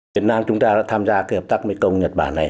chính năng chúng ta đã tham gia hợp tác mekong nhật bản này